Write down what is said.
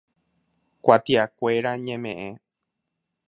Kuatiakuéra ñemeʼẽ.